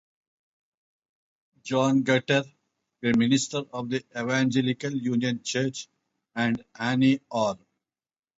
John Guthrie, a minister of the Evangelical Union church, and Anne Orr.